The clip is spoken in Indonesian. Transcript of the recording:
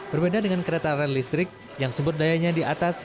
berbeda dengan kereta rel listrik yang sumber dayanya di atas